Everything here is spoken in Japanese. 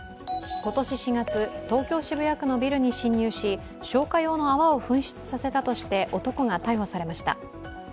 今年４月、東京・渋谷区のビルに侵入し、消火用の泡を噴出させたとして男が逮捕されました。